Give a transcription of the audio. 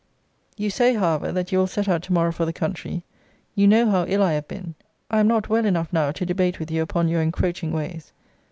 You say, however, that you will set out to morrow for the country. You know how ill I have been. I am not well enough now to debate with you upon your encroaching ways.